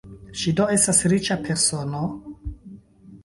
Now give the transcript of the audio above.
Ŝi do estas riĉa persono?